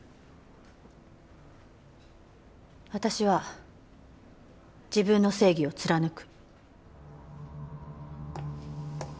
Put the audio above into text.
私は自分の正義を貫く。